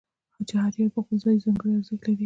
چې هر یو یې په خپل ځای ځانګړی ارزښت لري.